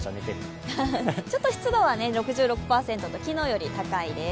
ちょっと湿度は６６％と昨日より高いです。